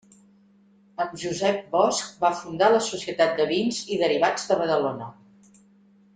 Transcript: Amb Josep Bosch va fundar la Societat de Vins i Derivats de Badalona.